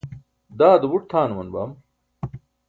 daado buṭ tʰaanuman bam